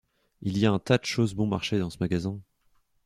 Il y a un tas de choses bon-marché dans ce magasin.